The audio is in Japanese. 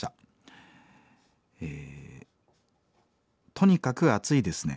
「とにかく暑いですね。